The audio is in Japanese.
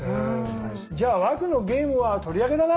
じゃあ和空のゲームは取り上げだな。